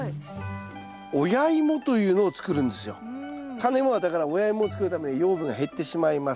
タネイモはだから親イモを作るために養分が減ってしまいます。